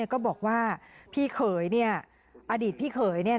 ก็บอกว่าพี่เขยอดีตพี่เขย